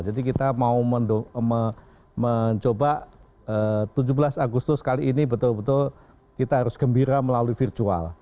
jadi kita mau mencoba tujuh belas agustus kali ini betul betul kita harus gembira melalui virtual